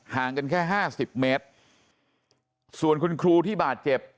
ห่างกันแค่ห้าสิบเมตรส่วนคุณครูที่บาดเจ็บ